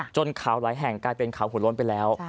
จนเขาหลายแห่งกลายเป็นเขาหัวโล้นไปแล้ว